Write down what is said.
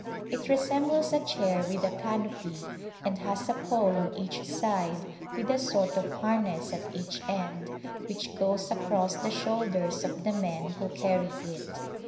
It resembles a chair with a canopy and has a pole on each side with a sort of harness at each end which goes across the shoulders of the men who carr\' it.